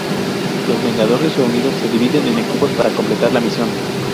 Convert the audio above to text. Los Vengadores reunidos se dividen en equipos para completar la misión.